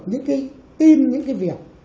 những cái tin những cái việc